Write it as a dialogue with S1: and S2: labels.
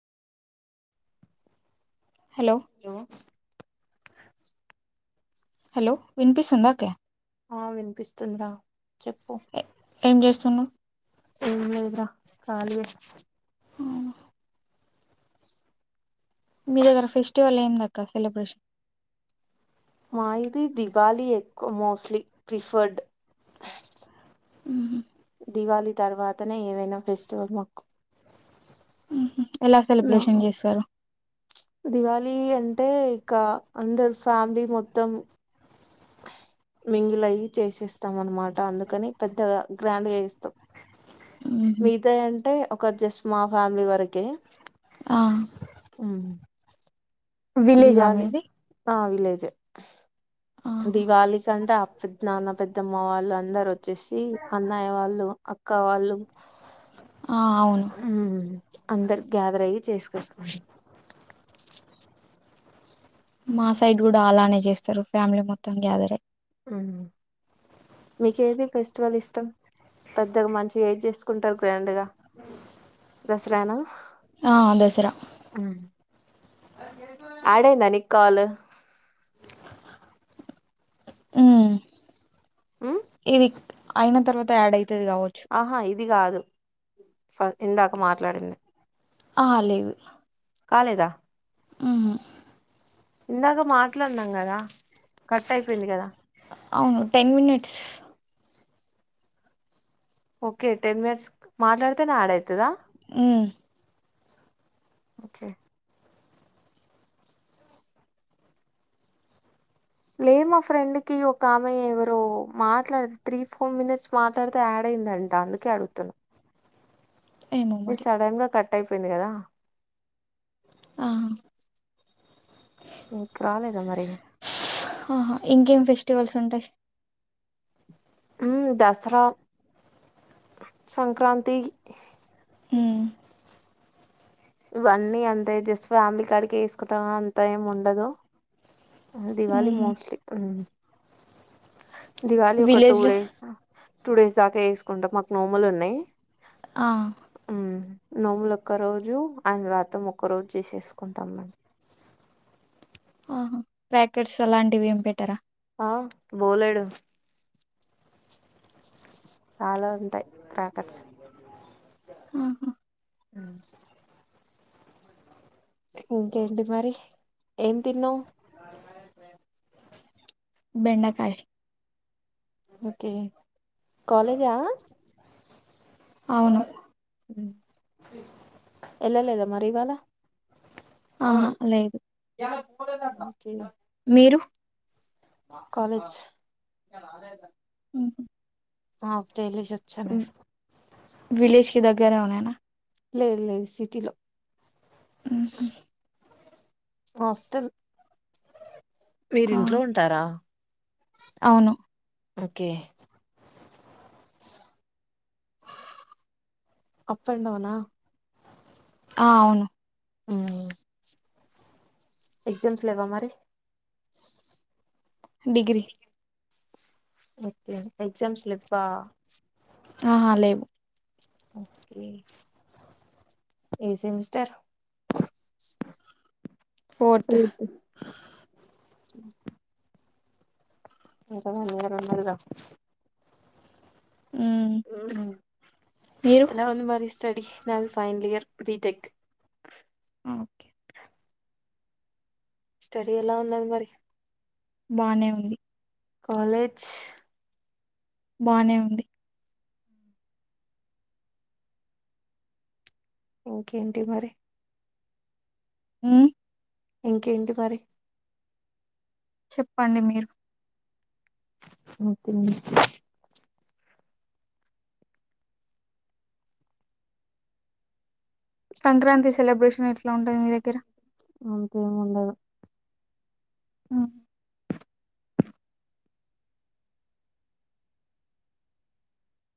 S1: Hello
S2: hello వినిపిస్తుందా క్యా
S1: ఆ వినిపిస్తుంద్రా చెప్పు
S2: ఏం చేస్తున్నావ్
S1: ఏం లేదు రా కాళీయే
S2: అవునా మీ దగ్గర ఫెస్టివల్ ఏంది అక్క కసల ప్రశ్న
S1: మా ఇది దివాళి ఎక్కువ మోస్ట్లీ ప్రిఫర్డ్
S2: ఉ
S1: దివాళి తర్వాతనే ఏదైనా ఫెస్టివల్ మాకు
S2: ఉహూ ఎలా సెలబ్రేషన్ చేస్తారు
S1: ఈద్ అంటే ఇక అందరు ఫ్యామిలీ మొత్తం మింగిలియి చేసేస్తాం అనమాట అందుకని పెద్దగా గ్రాండ్ గా ఇస్తాం
S2: ఉహు
S1: మిగతావి అంటే ఒక జస్ట్ మా ఫ్యామిలీ వరకే
S2: ఆ
S1: ఉమ్
S2: విలేజ్ ఆ మీది
S1: విలేజ్
S2: ఆహా
S1: దివాళి కంటే పెద్ద నాన్న పెద్దమ్మ వాళ్ళు అందరు వచ్చేసి అన్నయ్య వాళ్ళు అక్క వాళ్ళు
S2: ఆ అవును
S1: హు అందరు గ్యాదర్ అయ్యి చేసుకస్తం
S2: మా సైడ్ కూడా అలానే చేస్తారు ఫ్యామిలీ మొత్తం గ్యాదర్ అయి
S1: హు మీకు ఏది ఫెస్టివల్ ఇష్టం పెద్దగా మంచిగా ఏది చేసుకుంటారు గ్రాండ్ గా దసరానా
S2: ఆ దసరా
S1: యాదైంద నీకు కాల్
S2: హు
S1: ఉమ్
S2: ఏది అయిన తర్వాత యాడ్ అయి తది కావచ్చు
S1: ఆహా ఇది కాదు ఫ ఇందాక మాట్లాడింది
S2: ఆ లేదు
S1: కాలేదా
S2: హు హు
S1: ఇందాక మాట్లాడినాం కదా కట్ అయిపోయింది కదా
S2: అవును ten minutes
S1: okay ten minutes మాట్లాడతేనే యాడైతదా
S2: హు
S1: ఓకే లేదు మా ఫ్రెండ్కి ఒక ఆమె ఎవరో మాట్లాడితే త్రీ ఫోర్ మినిట్స్ మాట్లాడితే యాడ్ అయిందంట అందుకే అడుగుతున్నా
S2: ఏమో
S1: మీది
S2: మరి
S1: సడన్ గా కట్ కట్ అయిపోయింది కదా
S2: ఆ
S1: మీకు రాలేదా మరి
S2: ఆహా ఇంకేం ఫెస్టివల్స్ ఉంటయి.
S1: ఊ దసరా, సంక్రాంతి.
S2: ఉమ్
S1: ఇవన్నీ అంతే జస్ట్ ఫ్యామిలీ కాడికి వేసుకుంటాం అంత ఏమి ఉండదు. దివాళి
S2: ఉహు
S1: మోస్ట్లీ ఊ దివాళి ఒక టూ
S2: విలేజ్లో
S1: డేస్ టూ డేస్ దాకా వేసుకుంటా మాకు నోములు ఉన్నాయి.
S2: ఆ
S1: మ్మ్ నోములు ఒక్క రోజు అండ్ వ్రతం ఒక్క రోజు చేసేసుకుంటాం మేం
S2: ఆహా ప్యాకెట్స్ అలాంటివి ఏం పెట్టర
S1: ఆ బోలేడు చాలా ఉంటాయి క్రాకర్స్
S2: ఆహా!
S1: ఉ ఇంకేంటి మరి ఏం తిన్నావ్.
S2: బెండకాయ
S1: ఓకే కాలేజా
S2: అవును.
S1: హు ఎల్లలేదా మరివాలా
S2: ఆహా లేదు
S1: ఓకే,
S2: మీరు
S1: కాలేజ్
S2: ఊహు
S1: ఆ తెలిసి వచ్చాను.
S2: విలేజ్ కి దగ్గరలో నేన
S1: లేదు లేదు సిటీలో
S2: ఊహు
S1: హాస్టల్ మీరు
S2: ఆ
S1: ఇంట్లో ఉంటారా.
S2: అవును.
S1: ఓకే. ఆప్ అండ్ డౌనా
S2: ఆ అవును.
S1: ఊ ఎగజామ్స్ లేెవా మరి
S2: డిగ్రీ
S1: ఓకే ఎగ్జామ్స్లిప్పా
S2: ఆహా లేవు
S1: ఎ ఏ సెమిస్టర్
S2: ఫోర్త్
S1: ఎయిత్. అంటన్నాలన్నరిదా
S2: మ్మ్
S1: ఊ
S2: మీరు
S1: ఎలా ఉంది మరి స్టడీ నన్ ఫైనల్ ఇయర్ బిటెక్
S2: ఆ ఓకే
S1: స్టడి ఎలా ఉన్నది మరి
S2: బానే ఉంది
S1: కాలేజ్
S2: బానే ఉంది
S1: ఓకే ఏంటి మరి
S2: ఉ
S1: ఇంకేంటి మరి
S2: చెప్పండి మీరు
S1: ఓకే
S2: సంక్రాంతి సెలబ్రేషన్ ఎట్లా ఉంటుంది మీ దగ్గర
S1: అంతేమి ఉండదు
S2: ఉమ్